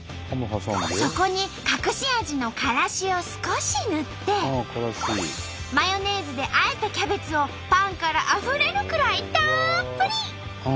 そこに隠し味のからしを少し塗ってマヨネーズであえたキャベツをパンからあふれるくらいたっぷり！